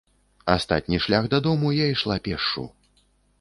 Астатні шлях да дому я ішла пешшу.